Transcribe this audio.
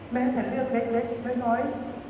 แม้แต่เรื่องเล็กน้อย